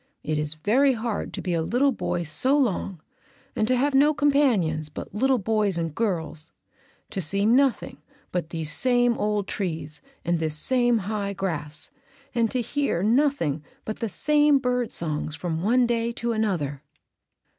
It is very hard to be a little boy so long and to have no companions but little boys and girls, to see nothing but these same old trees and this same high grass, and to hear nothing but the same bird songs from one day to another."